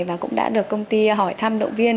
và cũng đã được công ty hỏi thăm động viên